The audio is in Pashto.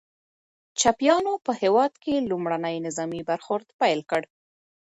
چپيانو په هېواد کي لومړنی نظامي برخورد پیل کړ.